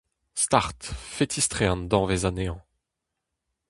Start, fetis-tre an danvez anezhañ.